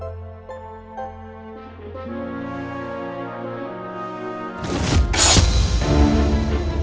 ada yang pendek